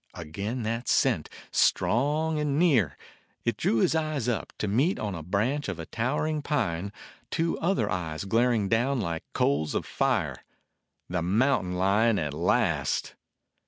Again that scent, strong and near ! It drew his eyes up, to meet, on a branch of a towering pine, two other eyes glaring down like coals of fire — the mountain lion at last!